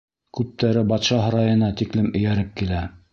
Күптәре батша һарайына тиклем эйәреп килә.